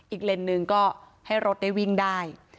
อีกเลนส์๑ก็ให้รถได้วิ่งได้